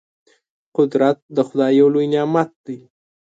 قدرت د خدای یو لوی نعمت دی.